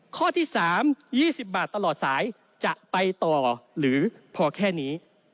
ข้อที่๓๒๐บาทตลอดสายจะไปต่อหรือพอแค่นี้